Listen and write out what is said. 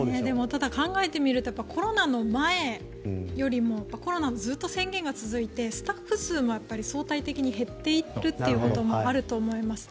ただ、考えてみるとコロナの前よりもコロナ、ずっと宣言が続いてスタッフ数も相対的に減っているということもあると思います。